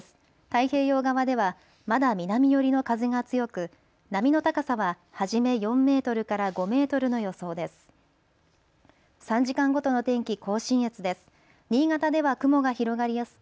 太平洋側ではまだ南寄りの風が強く波の高さは初め４メートルから５メートルの予想です。